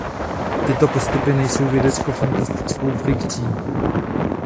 Tyto postupy nejsou vědecko-fantastickou fikcí.